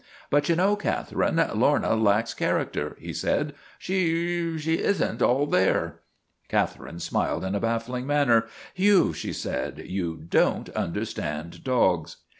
" But you know, Catherine, Lorna lacks char acter," he said. " She she is n't all there." Catherine smiled in a baffling manner. " Hugh," she said, " you don't understand dogs."